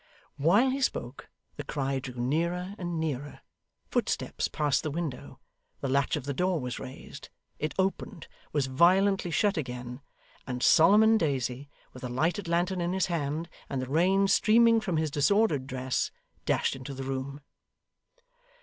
While he spoke the cry drew nearer and nearer, footsteps passed the window, the latch of the door was raised, it opened, was violently shut again, and Solomon Daisy, with a lighted lantern in his hand, and the rain streaming from his disordered dress, dashed into the room.